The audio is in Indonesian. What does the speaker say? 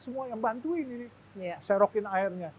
semua yang bantuin ini serokin airnya